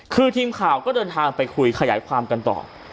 คือทีมข่าวก็เดินทางไปคุยขยายความกันต่อ